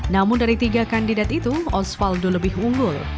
namun dari tiga kandidat itu osvaldo lebih unggul